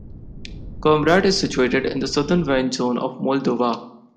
Comrat is situated in the southern wine zone of Moldova.